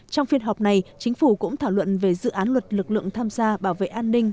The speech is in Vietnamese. trong phiên họp này chính phủ cũng thảo luận về dự án luật lực lượng tham gia bảo vệ an ninh